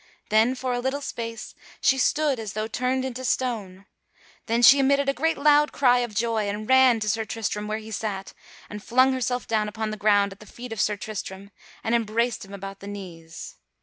Then, for a little space, she stood as though turned into stone; then she emitted a great loud cry of joy and ran to Sir Tristram where he sat, and flung herself down upon the ground at the feet of Sir Tristram and embraced him about the knees.